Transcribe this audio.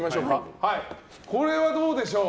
これはどうでしょう。